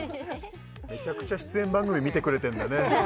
めちゃくちゃ出演番組見てくれてんだね